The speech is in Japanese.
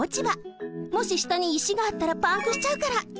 もししたに石があったらパンクしちゃうから。